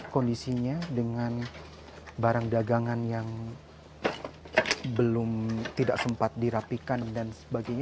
kondisinya dengan barang dagangan yang belum tidak sempat dirapikan dan sebagainya